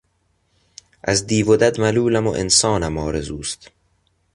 از دیو و دد ملولم و انسانم آرزوست